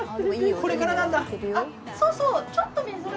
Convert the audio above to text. これからなんだ。